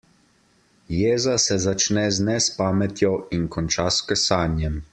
Jeza se začne z nespametjo in konča s kesanjem.